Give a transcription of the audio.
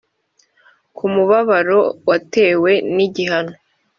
ku mubabaro watewe n igihano